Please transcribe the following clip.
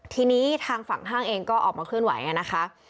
ทีนี้ทางฝั่งห้างเองก็ออกมาเคลื่อนไหวนะคะ